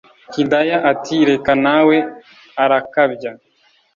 hidaya ati”reka nawe arakabya